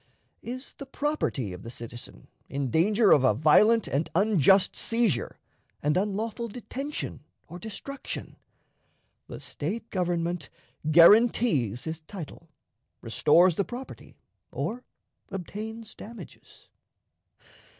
Is the property of the citizen in danger of a violent and unjust seizure and unlawful detention or destruction? The State government guarantees his title, restores the property, or obtains damages.